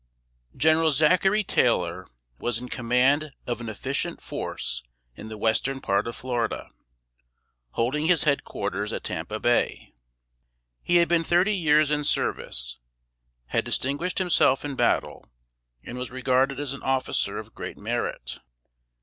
] General Zachary Taylor was in command of an efficient force in the western part of Florida, holding his head quarters at Tampa Bay. He had been thirty years in service; had distinguished himself in battle, and was regarded as an officer of great merit.